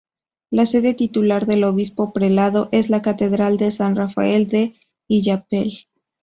La sede titular del obispo prelado es la catedral de San Rafael de Illapel.